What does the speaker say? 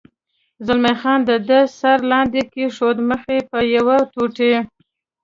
زلمی خان د ده سر لاندې کېښود، مخ یې په یوې ټوټې.